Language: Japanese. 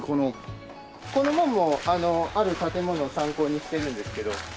この門もある建物を参考にしてるんですけど。